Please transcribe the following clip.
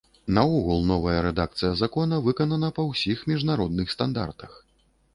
Наогул, новая рэдакцыя закона выканана па ўсіх міжнародных стандартах.